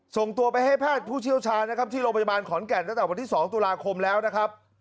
ส่งตัวไปให้แพทย์ผู้เชี่ยวชาญนะครับที่โรงพยาบาลขอนแก่นตั้งแต่วันที่๒ตุลาคมแล้วนะครับ